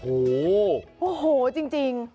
โอ้โหโอ้โหจริง